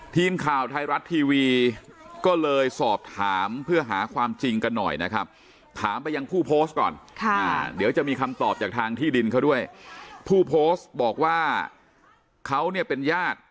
ทีย์ข่าวท้ายรัสทีวีก็เลยสอบถามเพื่อหาความจริงกันหน่อยนะครับ